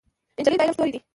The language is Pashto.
نجلۍ د علم ستورې ده.